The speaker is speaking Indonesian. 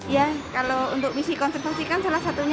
ya kalau untuk misi konservasi kan salah satunya